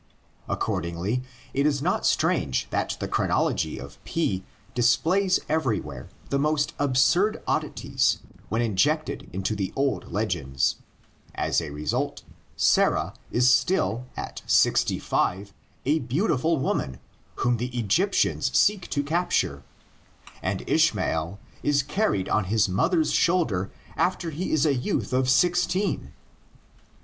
Accord ingly it is not strange that the chronology of P dis plays everywhere the most absurd oddities when injected into the old legends: as a result, Sarah is still at sixty five a beautiful woman whom the Egyptians seek to capture, and Ishmael is carried on his mother's shoulder after he is a youth of six teen.